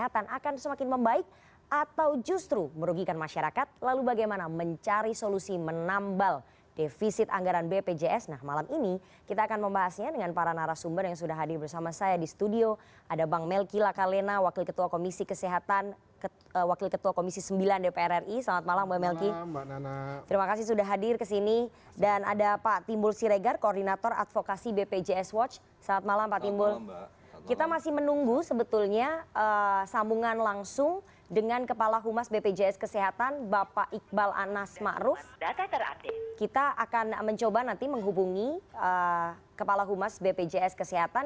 terus kita akan mencoba nanti menghubungi kepala humas bpjs kesehatan